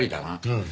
うん。